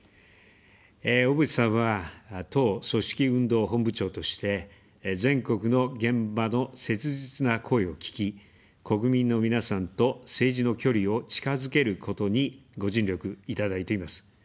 小渕さんは、党組織運動本部長として、全国の現場の切実な声を聞き、国民の皆さんと政治の距離を近づけることにご尽力いただいています。